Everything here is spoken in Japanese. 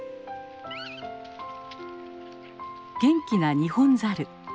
元気なニホンザル。